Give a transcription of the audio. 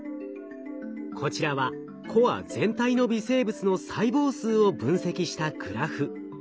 こちらはコア全体の微生物の細胞数を分析したグラフ。